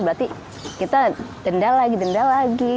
berarti kita denda lagi denda lagi